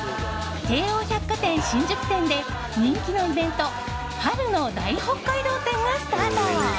京王百貨店新宿店で人気のイベント春の大北海道展がスタート。